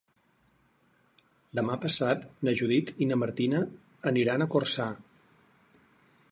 Demà passat na Judit i na Martina aniran a Corçà.